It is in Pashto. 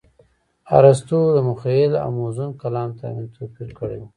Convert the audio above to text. ارستو د مخيل او موزون کلام ترمنځ توپير کړى و.